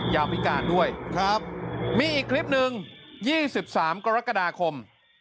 ยามพิการด้วยครับมีอีกคลิปหนึ่ง๒๓กรกฎาคม